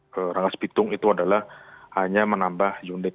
ke rangas bitung itu adalah hanya menambah unit